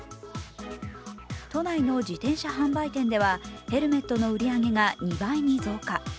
都内の自転車販売店ではヘルメットの売り上げが２倍に増加。